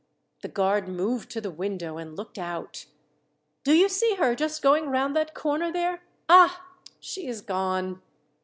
The guard moved to the window and looked out. "Do you see her just going round that corner there? Ah! She is gone."